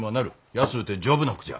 安うて丈夫な服じゃ。